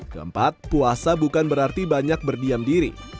keempat puasa bukan berarti banyak berdiam diri